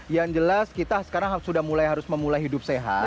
yang jelas kita sekarang sudah mulai harus memulai hidup sehat